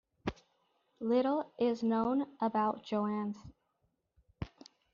Little is known about Johannes.